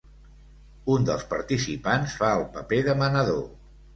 Un dels participants fa el paper de menador.